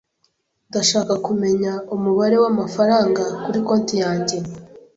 Ndashaka kumenya umubare w'amafaranga kuri konti yanjye.